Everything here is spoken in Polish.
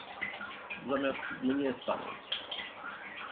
"Zamiast mnie stanął."